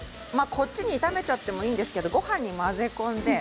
一緒に炒めてもいいんですけれどもごはんに混ぜ込んで。